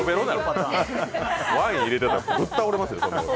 ワイン入れてたらぶっ倒れますよ。